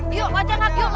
leprakan cuy yuk